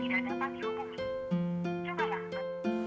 terus kalau aja anjir lu itu gini